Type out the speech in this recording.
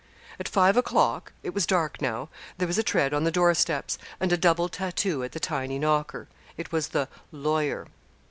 At five o'clock it was dark now there was a tread on the door steps, and a double tattoo at the tiny knocker. It was the 'lawyer.'